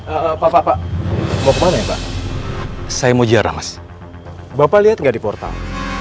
apa apa mau kemana ya pak saya mau jarang as bapak lihat nggak di portal